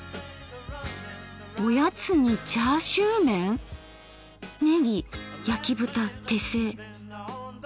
おやつに「チャーシューメン」⁉「ねぎやき豚手製」。